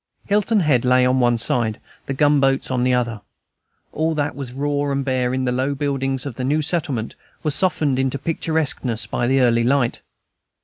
Hilton Head lay on one side, the gunboats on the other; all that was raw and bare in the low buildings of the new settlement was softened into picturesqueness by the early light.